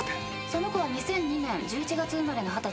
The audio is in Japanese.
その子は２００２年１１月生まれの二十歳。